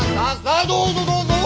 どうぞどうぞ！